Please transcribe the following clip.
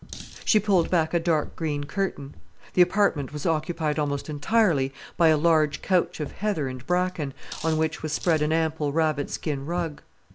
She pulled back a dark green curtain. The apartment was occupied almost entirely by a large couch of heather and bracken, on which was spread an ample rabbit skin rug.